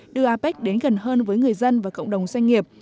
đưa apec đến gần hơn với người dân và cộng đồng doanh nghiệp